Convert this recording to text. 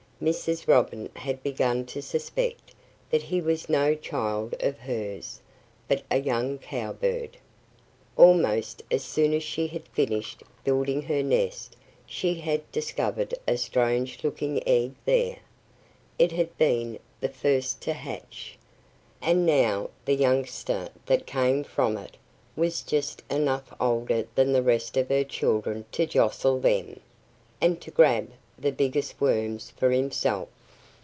Mrs. Robin had begun to suspect that he was no child of hers, but a young Cowbird. Almost as soon as she had finished building her nest she had discovered a strange looking egg there. It had been the first to hatch. And now the youngster that came from it was just enough older than the rest of her children to jostle them, and to grab the biggest worms for himself.